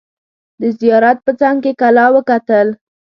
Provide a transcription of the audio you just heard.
د زیارت په څنګ کې کلا وکتل.